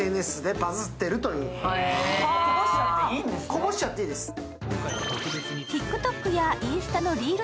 こぼしちゃっていいんですね。